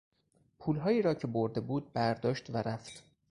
پولهایی را که برده بود برداشت و رفت.